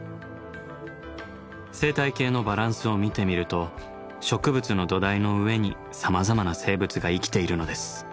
生態系のバランスを見てみると植物の土台の上にさまざまな生物が生きているのです。